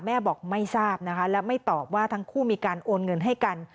แม่บอกไม่ทราบนะคะและไม่ตอบว่าทั้งคู่มีการโอนเงินให้กัน